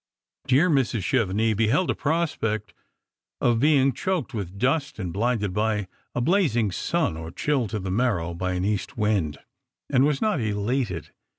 Dear Mrs. Chevenix beheld a prospect of being choked with dust, and blinded by a blazing sun, or chilled to the marrow by an east wind, and was not elated.